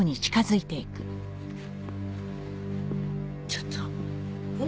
ちょっと何？